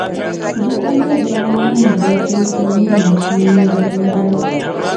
د امید رڼا هم د دوی په زړونو کې ځلېده.